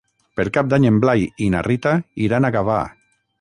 Per Cap d'Any en Blai i na Rita iran a Gavà.